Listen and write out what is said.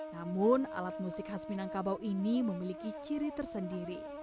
namun alat musik khas minangkabau ini memiliki ciri tersendiri